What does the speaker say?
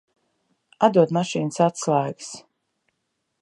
Atdod mašīnas atslēgas.